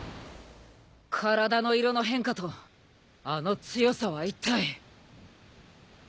体の色の変化とあの強さはいったい。